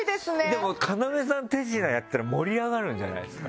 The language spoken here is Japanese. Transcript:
でも要さん手品やったら盛り上がるんじゃないですか？